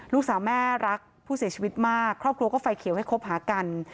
ลูกสาวแม่รักผู้เสียชีวิตมากครอบครัวก็ไฟเขียวให้คบหากัน